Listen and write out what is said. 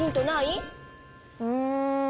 うん。